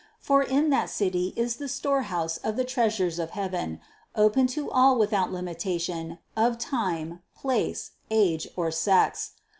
For in that City is the storehouse of the treasures of heaven, open to all without limitation of time, place, age or sex.